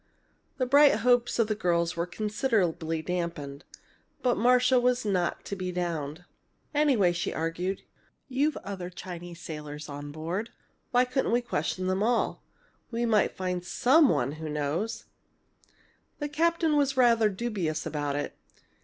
The bright hopes of the girls were considerably dampened, but Marcia was not to be downed. "Anyway," she argued, "you've other Chinese sailors on board. Why couldn't we question them all? We might find some one who knows." The captain was rather dubious about it.